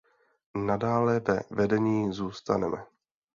Nadále ve vedení zůstaneme.